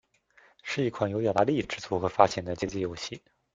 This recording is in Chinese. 是一款由雅达利制作和发行的街机游戏。